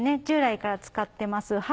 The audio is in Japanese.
従来から使ってます